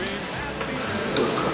どうですか？